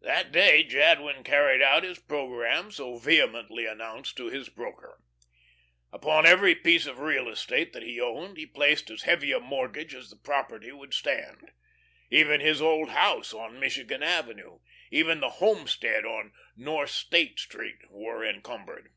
That day Jadwin carried out his programme so vehemently announced to his broker. Upon every piece of real estate that he owned he placed as heavy a mortgage as the property would stand. Even his old house on Michigan Avenue, even the "homestead" on North State Street were encumbered.